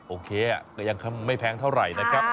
โอเคแต่ยังไม่แพงเท่าไหร่นะครับ